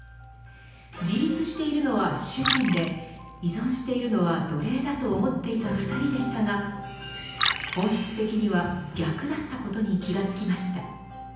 自立しているのは主人で依存しているのは奴隷だと思っていた２人でしたが本質的には逆だったことに気が付きました。